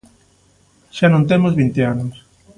Xa non temos vinte anos.